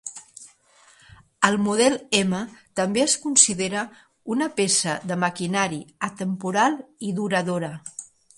El model M també es considera una peça de maquinari atemporal i duradora.